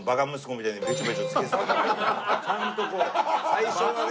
ちゃんとこう最初はね。